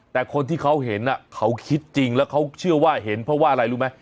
แต่คนที่เขาเห็นเขาคิดจริงแล้วเขาเชื่อว่าเห็นเพราะว่าอะไรรู้ไหม